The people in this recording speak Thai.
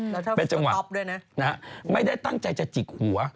แล้วถ้าพี่ก็ก๊อบด้วยนะเป็นจังหวะไม่ได้ตั้งใจจะจิกหัว